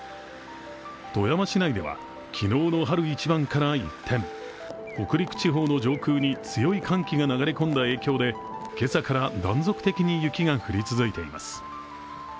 富山市内では昨日の春一番から一転、北陸地方の上空に強い寒気が流れ込んだ影響で今朝から断続的に雪が降り続いています。